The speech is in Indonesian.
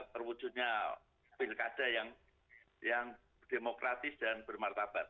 terwujudnya pilkada yang demokratis dan bermartabat